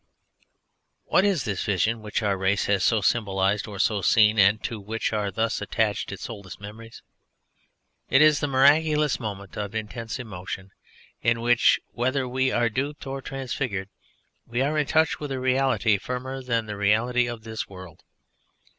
What is this vision which our race has so symbolised or so seen and to which are thus attached its oldest memories? It is the miraculous moment of intense emotion in which whether we are duped or transfigured we are in touch with a reality firmer than the reality of this world.